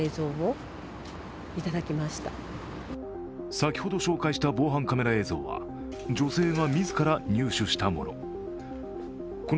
先ほど紹介した防犯カメラ映像は女性が自ら入手したもの。